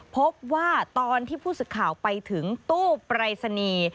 พบว่าตอนที่ผู้สึกข่าวไปถึงตู้ปรายศนีย์